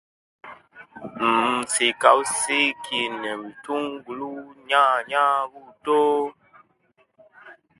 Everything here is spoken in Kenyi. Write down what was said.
Mmm nsiika busiiki nabutungulu nyanya buttoo